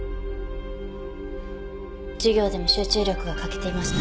授業でも集中力が欠けていました。